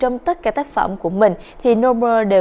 một kết hợp